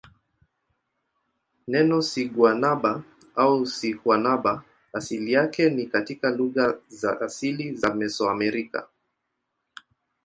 Neno siguanaba au sihuanaba asili yake ni katika lugha za asili za Mesoamerica.